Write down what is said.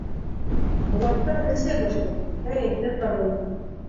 Булаттың эсе бошто, кәйефе ҡырылды.